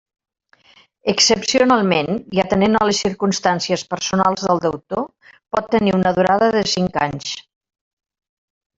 Excepcionalment, i atenent a les circumstàncies personals del deutor, pot tenir una durada de cinc anys.